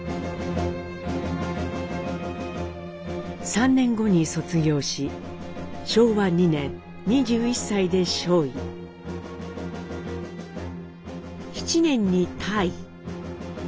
３年後に卒業し昭和２年２１歳で少尉７年に大尉。